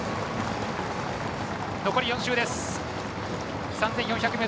残り４周です。